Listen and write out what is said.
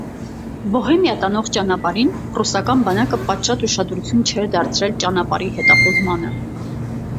Բոհեմիա տանող ճանապարհին պրուսական բանակը պատշաճ ուշադրություն չէր դարձրել ճանապարհի հետախուզմանը։